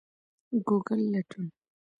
ګوګل لټون